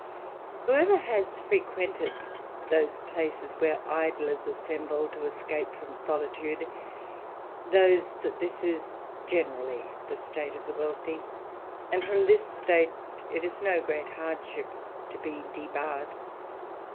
Whoever has frequented those places, where ic assemble to escape from solitude, knows that this is gene the state of the wealthy ; and from this state it is no g hardship to be debarred.